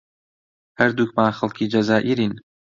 هەردووکمان خەڵکی جەزائیرین.